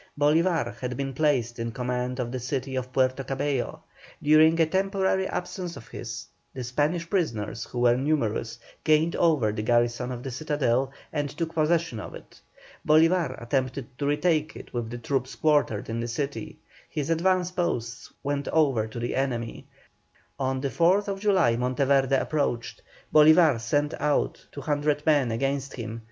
Bolívar had been placed in command of the city of Puerto Cabello. During a temporary absence of his, the Spanish prisoners, who were numerous, gained over the garrison of the citadel, and took possession of it. Bolívar attempted to retake it with the troops quartered in the city; his advance posts went over to the enemy. On the 4th July Monteverde approached; Bolívar sent out 200 men against him.